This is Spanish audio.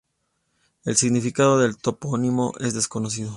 El significado del topónimo es desconocido.